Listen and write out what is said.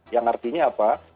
yang artinya apa